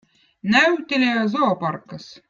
näüttelijä zooparkkõz